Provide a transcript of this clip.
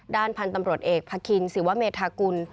ด้านพันธุ์ตำรวจเอกพระคินศิวะเมธากุล